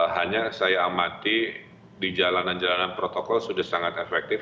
hanya saya amati di jalanan jalanan protokol sudah sangat efektif